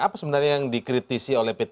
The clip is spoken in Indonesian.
apa sebenarnya yang dikritisi oleh p tiga